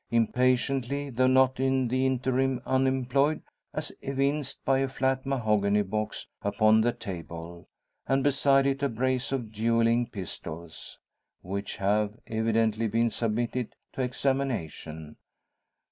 Impatiently, though not in the interim unemployed; as evinced by a flat mahogany box upon the table, and beside it a brace of duelling pistols, which have evidently been submitted to examination.